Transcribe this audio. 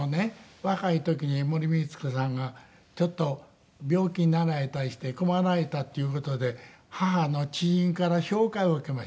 若い時に森光子さんがちょっと病気になられたりして困られたっていう事で母の知人から紹介を受けまして。